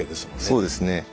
そうですね。